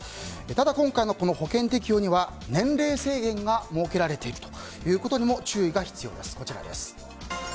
ただ、今回の保険適用には年齢制限が設けられているということにも注意が必要です。